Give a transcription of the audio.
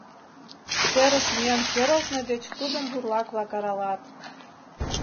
Серыш миен керылтме деч тудым бурлак-влак аралат.